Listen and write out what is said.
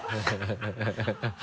ハハハ